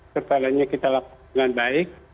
kebenarannya kita lakukan dengan baik